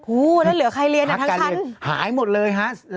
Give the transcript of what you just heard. แล้วเหลือใครเรียนอ่ะทั้งชั้นหายหมดเลยฮะ